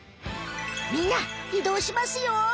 みんないどうしますよ。